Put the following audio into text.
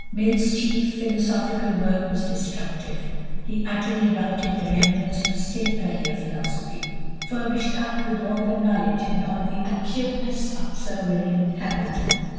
Mill's chief philosophical work was destructive. He utterly routed the remnants of a still earlier philosophy, furbished up with all the knowledge and all the acuteness of Sir William Hamilton.